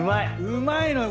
うまいのよ